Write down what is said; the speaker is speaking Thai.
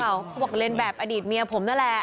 เขาบอกเรียนแบบอดีตเมียผมนั่นแหละ